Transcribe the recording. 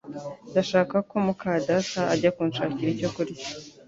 Ndashaka ko muka data ajya kunshakira icyo kurya